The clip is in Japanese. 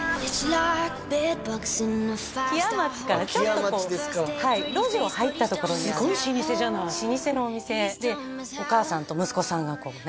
木屋町からちょっとこう路地を入ったところにあるすごい老舗じゃない老舗のお店でお母さんと息子さんがこうね